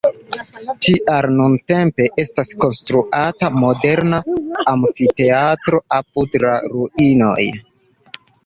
Tial nuntempe estas konstruata moderna amfiteatro apud la ruinoj.